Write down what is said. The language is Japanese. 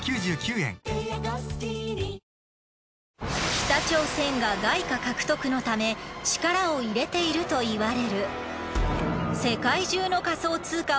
北朝鮮が外貨獲得のため力を入れているといわれる。